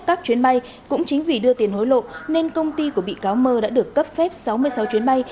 các chuyến bay cũng chính vì đưa tiền hối lộ nên công ty của bị cáo mơ đã được cấp phép sáu mươi sáu chuyến bay